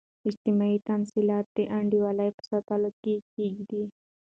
اجتماعي تعاملثبات د انډول په ساتلو کې کیږي.